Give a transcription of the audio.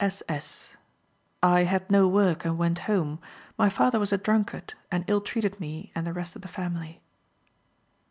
S. S.: "I had no work, and went home. My father was a drunkard, and ill treated me and the rest of the family."